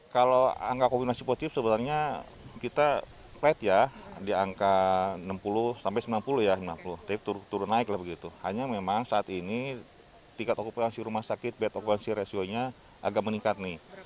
kalau angka kombinasi positif sebenarnya kita flat ya di angka enam puluh sampai sembilan puluh ya turun naik lah begitu hanya memang saat ini tingkat okupansi rumah sakit bad okupansi ratio nya agak meningkat nih